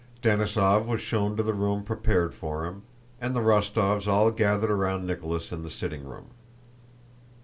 Denísov was shown to the room prepared for him, and the Rostóvs all gathered round Nicholas in the sitting room.